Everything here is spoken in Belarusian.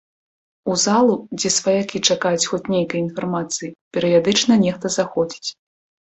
У залу, дзе сваякі чакаюць хоць нейкай інфармацыі, перыядычна нехта заходзіць.